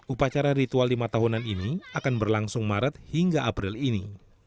upacara ritual lima tahunan ini akan berlangsung maret hingga april ini